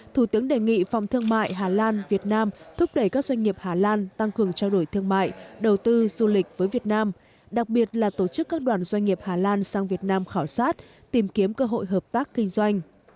thủ tướng đề nghị phòng thương mại hà lan việt nam thúc đẩy các doanh nghiệp hà lan tăng cường trao đổi thương mại đầu tư du lịch với việt nam đặc biệt là tổ chức các đoàn doanh nghiệp hà lan sang việt nam khảo sát tìm kiếm cơ hội hợp tác kinh doanh